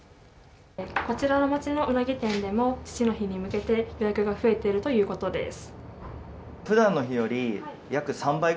こちらの街のウナギ店でも父の日に向けて予約が増えているということです。